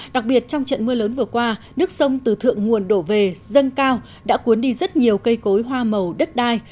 đặc biệt trong trận mưa lớn vừa qua nước sông từ thượng nguồn đổ về dâng cao đã cuốn đi rất nhiều cây cối hoa màu đất đai